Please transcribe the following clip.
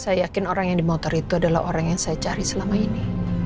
saya yakin orang yang di motor itu adalah orang yang saya cari selama ini